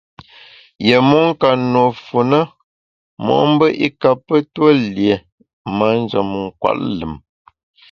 Yié mon ka nùe fu na mo’mbe i kape tue lié manjem nkwet lùm.